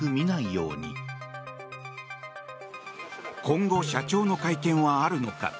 今後、社長の会見はあるのか。